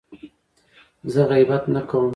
زه غیبت نه کوم.